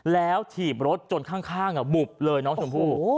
แล้วถีบรถจนข้างบุบเลยน้องชมพู่